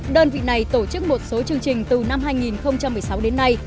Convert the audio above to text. đơn vị này tổ chức một số chương trình từ năm hai nghìn một mươi sáu đến nay